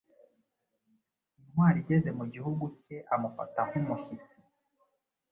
Intwari igeze mu gihugu cyeamufata nkumushyitsi